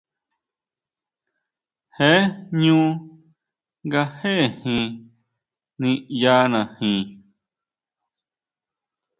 Jee jñú nga jéʼejin niʼyanajin.